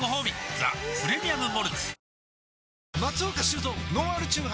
「ザ・プレミアム・モルツ」おおーー